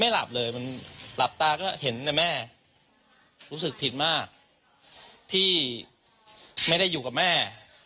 หลับตาก็เห็นแม่รู้สึกผิดมากที่ไม่ได้อยู่กับแม่